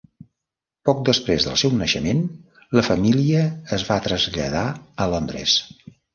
Poc després del seu naixement, la família es va traslladar a Londres.